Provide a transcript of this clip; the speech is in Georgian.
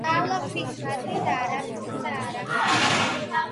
სწავლა, ღვთის მადლით, არაფრისა არა ჰქონდა.